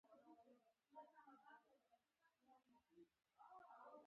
که څوک یو له بله خفه وي، ور غاړې وځئ.